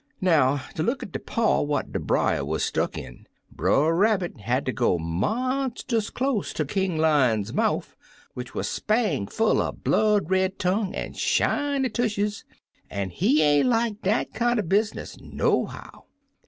Now, ter look at de paw what de brier wuz stuck in. Brer Rabbit hatter go monstus close ter King Lion's mouf, which wuz spang full er blood red tongue an' shiny tushes, an' he ain't like dat kinder business nohow.